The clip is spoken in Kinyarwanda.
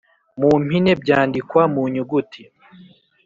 mu mpine byandikwa munyuguti